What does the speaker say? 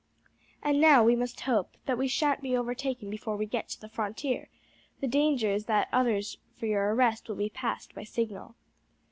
And now we must hope that we sha'nt be overtaken before we get to the frontier. The danger is that orders for your arrest will be passed by signal."